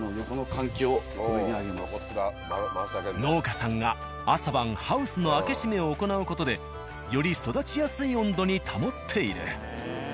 農家さんが朝晩ハウスの開け閉めを行う事でより育ちやすい温度に保っている。